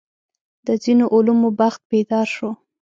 د ځینو علومو بخت بیدار شو.